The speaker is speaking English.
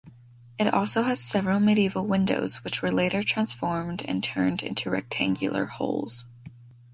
It also has several medieval windows which were later transformed and turned into rectangular holes.